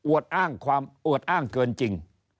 อวดอ้างเกินจริง